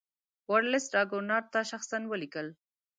ورلسټ راګونات ته شخصا ولیکل.